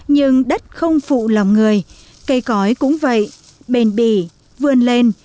nhưng đất không phụ lòng người cây cõi cũng vậy bền bỉ vươn lên